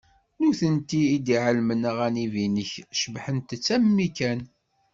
D nutenti i d-iɛellmen aɣanib-inek cebbḥent-tt almi kan.